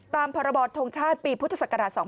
ตามพธปีพศ๒๕๒๒